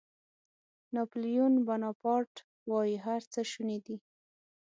ناپیلیون بناپارټ وایي هر څه شوني دي.